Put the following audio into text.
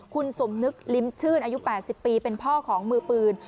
คุณสมนึกลิ้มชื่นอายุ๘๐ปีเป็นพ่อของมือปืน